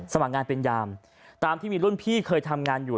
สมัครงานเป็นยามตามที่มีรุ่นพี่เคยทำงานอยู่